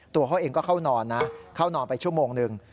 ตัวเขาเองก็เข้านอนนะเข้านอนไปชั่วโมงหนึ่ง